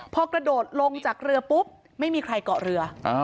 พอกระโดดลงจากเรือปุ๊บไม่มีใครเกาะเรือ